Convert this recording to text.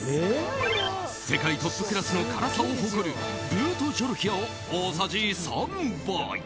世界トップクラスの辛さを誇るブート・ジョロキアを大さじ３杯。